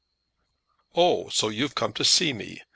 ] "Oh; so you 'ave come to see me.